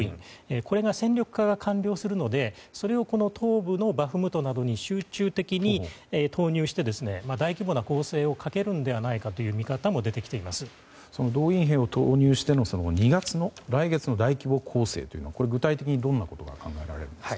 これの戦力化が可能になるのでそれを東部のバフムトなどに集中的に投入して大規模な攻勢をかけるのではないかという見方も動員兵を投入しての２月の来月の大規模攻勢というのは具体的にどんなことが考えられますか？